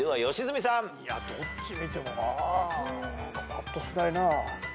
ぱっとしないな。